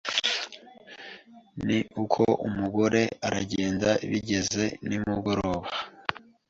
Ni uko umugore aragenda Bigeze nimugoroba